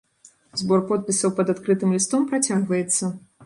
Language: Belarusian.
Збор подпісаў пад адкрытым лістом працягваецца.